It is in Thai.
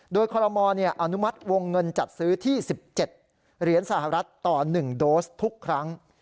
โดยคอรมออนุมัติวงเงินจัดซื้อที่๑๗เหรียญสหรัฐต่อ๑โดสทุกครั้ง